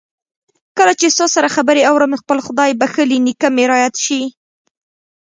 کله چې ستاسې خبرې آورم خپل خدای بخښلی نېکه مې را یاد شي